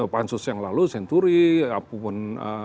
pansus yang lalu senturi apapun